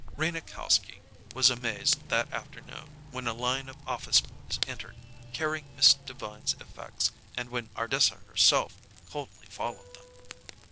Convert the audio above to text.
Rena Kalski was amazed that afternoon when a line of office boys entered, carrying Miss Devine's effects, and when Ardessa herself coldly followed them.